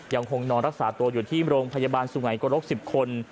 ยังคงนอนรักษาตัวอยู่ที่โรงพยาบาลสุงัยกรก๑๐คน